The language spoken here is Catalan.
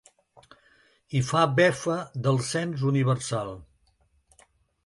I fa befa del cens universal.